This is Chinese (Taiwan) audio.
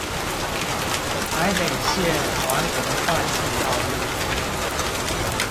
台北縣環河快速道路